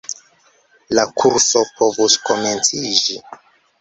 La kurso povus komenciĝi.